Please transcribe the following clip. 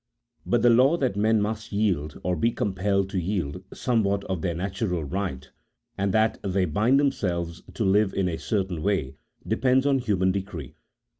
But the law that men must yield, or be compelled to yield, somewhat of their natural right, and that they bind themselves to live in a certain way, depends on human decree.